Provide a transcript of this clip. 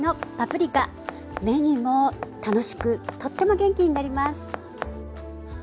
目にも楽しくとっても元気になります。